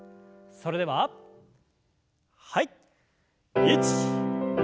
それでははい。